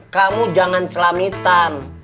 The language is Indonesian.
kamu jangan selamitan